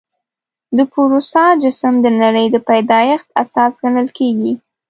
د پوروسا جسم د نړۍ د پیدایښت اساس ګڼل کېږي.